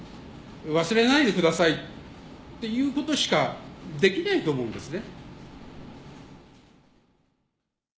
忘れないでくださいっていうことしかできないと思うんですね。